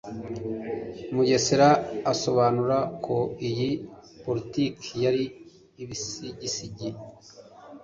Mugesera asobanura ko iyi politiki yari ibisigisigi